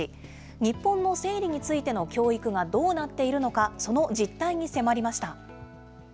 日本の生理についての教育がどうなっているのか、その実態に迫り